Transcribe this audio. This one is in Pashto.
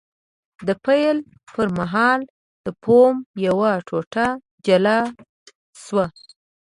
د پیل پر مهال د فوم یوه ټوټه جلا شوه.